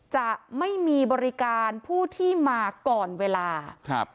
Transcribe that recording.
จะไม่มีบริการผู้ที่มาก่อนเวลาครับ